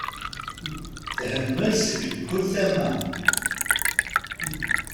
Tehmel seg mkul tama.